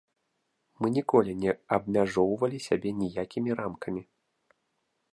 Мы ніколі не абмяжоўвалі сябе ніякімі рамкамі.